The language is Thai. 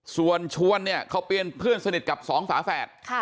ส่วนชวนเขาเปลี่ยนเพื่อนสนิทกับ๒ฝาแฝด